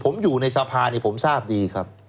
ผมอยู่ในสภาผมทราบดีครับ